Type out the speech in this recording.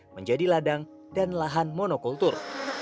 menjadi ladang dan lahan monokultur